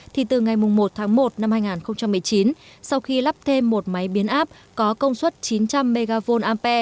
thì từ ngày một tháng một năm hai nghìn một mươi chín sau khi lắp thêm một máy biến áp có công suất chín trăm linh mva